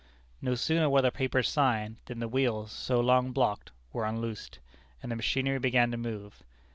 No sooner were the papers signed, than the wheels, so long blocked, were unloosed, and the machinery began to move.